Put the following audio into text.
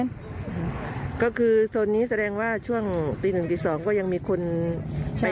ก็คือโซนนี้แสดงว่าช่วงตีหนึ่งตีสองก็ยังมีคนใช้